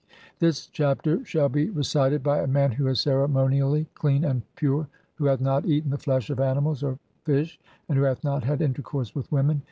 THIS CHAPTER (6) SHALL BE RECITED BY A MAN WHO IS CEREMONIALLY CLEAN AND PURE, WHO HATH NOT EATEN THE FLESH OF ANIMALS OR FISH, AND WHO HATH NOT HAD INTERCOURSE WITH WOMEN.